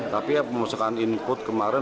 tapi pemusuhan input kemarin delapan puluh